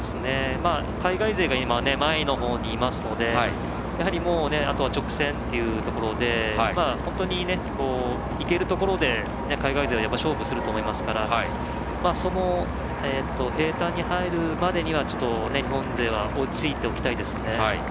海外勢が前の方にいますのであとは直線というところで本当にいけるところで海外勢は勝負すると思いますから平たんに入るまではちょっと、日本勢は追いついておきたいですよね。